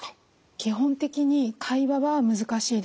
基本的に会話は難しいです。